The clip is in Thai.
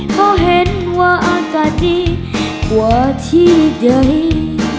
เพราะเห็นว่าอากาศดีกว่าที่ใด